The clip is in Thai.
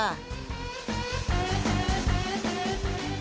มันต้องมีความรู้สึกด้วย